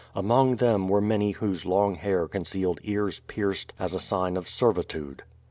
Among them were many whose long hair concealed ears pierced as a sign of servitude.